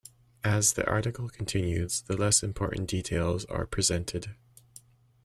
As the article continues, the less important details are presented.